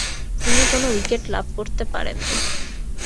তিনি কোন উইকেট লাভ করতে পারেননি।